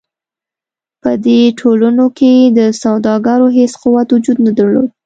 په دې ټولنو کې د سوداګرو هېڅ قوت وجود نه درلود.